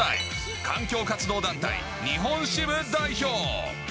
環境活動団体日本支部代表。